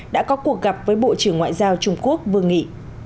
đã có cuộc gặp với bộ trưởng ngoại giao trung quốc vương nghị